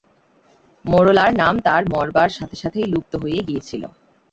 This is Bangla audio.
মোরোলার নাম তার মরবার সাথে সাথেই লুপ্ত হয়ে গিয়েছিল।